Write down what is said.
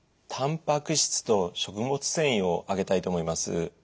たんぱく質と食物繊維を挙げたいと思います。